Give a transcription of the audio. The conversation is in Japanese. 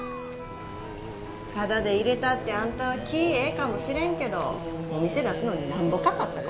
タダで入れたってあんたは気ぃええかもしれんけどお店出すのになんぼかかったか分かってんのかいな。